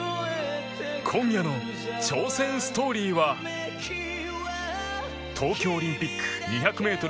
今夜の超戦ストーリーは東京オリンピック２００メートル